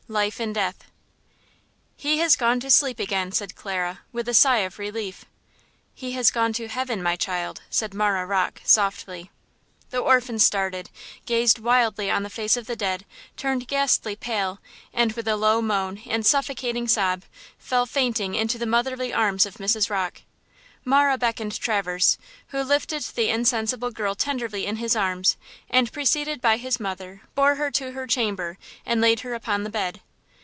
–Life and Death. "HE has gone to sleep again," said Clara, with a sigh of relief. "He has gone to heaven, my child," said Marah Rocke, softly. The orphan started, gazed wildly on the face of the dead, turned ghastly pale and, with a low moan and suffocating sob, fell fainting into the motherly arms of Mrs. Rocke. Marah beckoned Traverse, who lifted the insensible girl tenderly in his arms and, preceded by his mother, bore her to her chamber and laid her upon the bed.